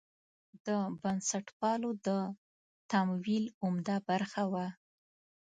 د بنسټپالو د تمویل عمده برخه وه.